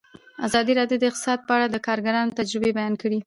ازادي راډیو د اقتصاد په اړه د کارګرانو تجربې بیان کړي.